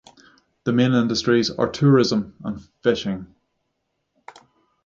The main industries are tourism and fishing.